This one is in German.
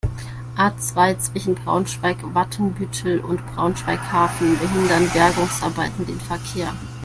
A-zwei, zwischen Braunschweig-Watenbüttel und Braunschweig-Hafen behindern Bergungsarbeiten den Verkehr.